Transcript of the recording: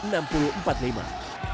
sehingga memimpin enam puluh empat puluh lima